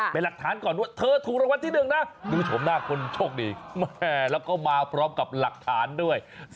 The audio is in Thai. ไปหลักฐานก่อนว่าเธอถูกรวรรณที่๑นะดูชมหน้าคนโชคดีแล้วก็มาพร้อมกับหลักฐานด้วย